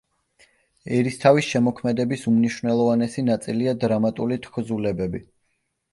ერისთავის შემოქმედების უმნიშვნელოვანესი ნაწილია დრამატული თხზულებები.